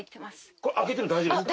これ開けても大丈夫ですか？